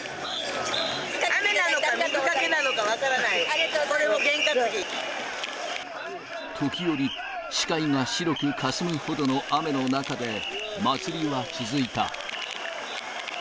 雨なのか、水かけなのか分か時折、視界が白くかすむほどの雨の中で、祭りは続いた。